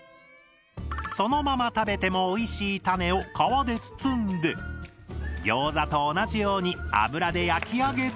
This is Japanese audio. そのまま食べてもおいしいタネを皮で包んでギョーザと同じように油で焼き上げて完成！